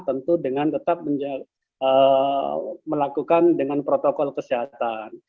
tentu dengan tetap melakukan dengan protokol kesehatan